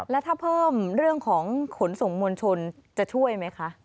แล้วถ้าเพิ่มเรื่องของขนส่งมวลชนจะช่วยไหมคะ